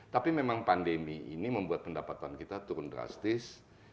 tapi memang pandemi ini membuat pendapatan kita turun drastis